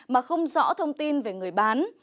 mà không rõ thông tin về người bán